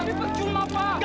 api percuma pak